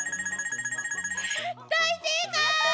大正解！